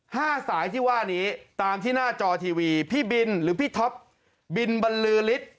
สายที่ว่านี้ตามที่หน้าจอทีวีพี่บินหรือพี่ท็อปบินบรรลือฤทธิ์